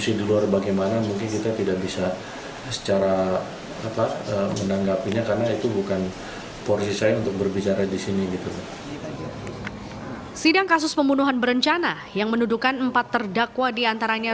sidang kasus pembunuhan berencana yang mendudukan empat terdakwa diantaranya